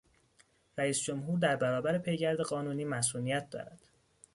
رئیس جمهور در برابر پیگرد قانونی مصونیت دارد.